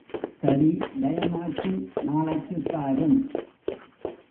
சரி டயமாச்சு நாளைக்குப் பாரும்.